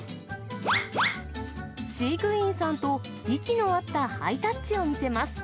飼育員さんと、息の合ったハイタッチを見せます。